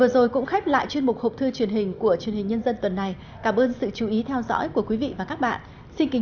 xin chào tạm biệt và hẹn gặp lại